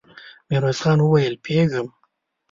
ميرويس خان وويل: پوهېږم.